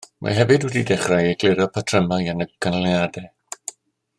Mae hefyd wedi dechrau egluro patrymau yn y canlyniadau